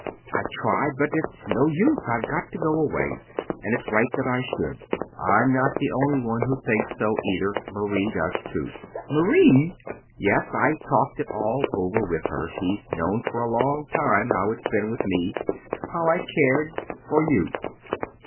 I've tried, but it's no use. I've got to go away, and it's right that I should. I'm not the only one that thinks so, either. Marie does, too." "MARIE!" "Yes. I talked it all over with her. She's known for a long time how it's been with me; how I cared for you."